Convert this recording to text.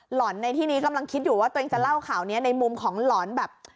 หล่อนในที่นี้กำลังคิดอยู่ว่าตัวเองจะเล่าข่าวนี้ในมุมของหลอนแบบ